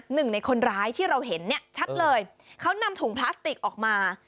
หนึ่งในคนร้ายที่เราเห็นเนี่ยชัดเลยเขานำถุงพลาสติกออกมา